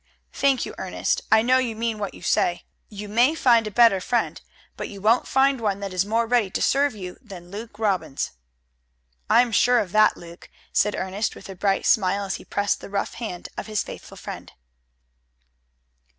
"Thank you, Ernest. I know you mean what you say. You may find a better friend, but you won't find one that is more ready to serve you than Luke Robbins." "I am sure of that, Luke," said Ernest with a bright smile as he pressed the rough hand of his faithful friend.